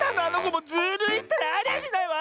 もうズルいったらありゃしないわ！